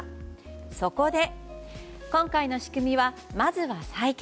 そこで、今回の仕組みはまずは採血。